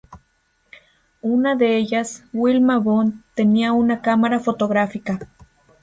Una de ellas, Wilma Bond, tenía una cámara fotográfica.